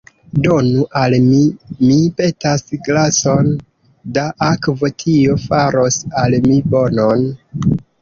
Donu al mi, mi petas, glason da akvo; tio faros al mi bonon.